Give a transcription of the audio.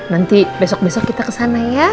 nanti besok besok kita ke sana ya